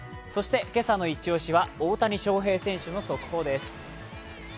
今朝のイチ押しは、大谷翔平選手の速報です。